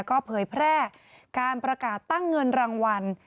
ก็เผยแพร่การประกาศตั้งเงินรางวัล